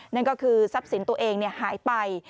นั่นก็คือทรัพย์สินตัวเองหายไป